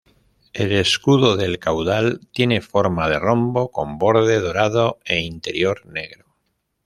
El escudo del Caudal tiene forma de rombo con borde dorado e interior negro.